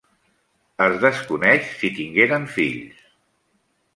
Es desconeix si en tingueren fills.